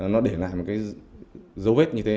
nó để lại một cái dấu vết như thế